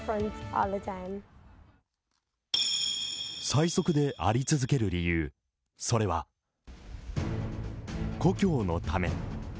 最速であり続ける理由、それは故郷のため。